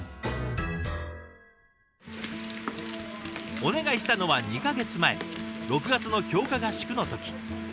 お願いしたのは２か月前６月の強化合宿の時。